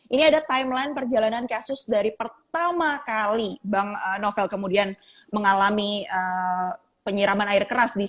ini ada timeline perjalanan kasus dari pertama kali bang novel kemudian mengalami penyiraman air keras di sebelas april dua ribu tujuh belas